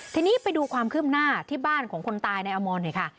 ทีนี้ไปดูความคืบหน้าที่บ้านของคนตายในอมรหน่อยค่ะ